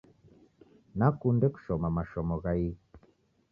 Nakunde kushoma mashomo gha ighu